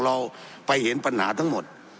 เราไปเห็นปัญหาทั้งหมด